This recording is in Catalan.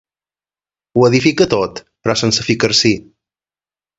Ho edifica tot, però sense ficar-s'hi.